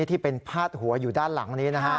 ที่เป็นพาดหัวอยู่ด้านหลังนี้นะฮะ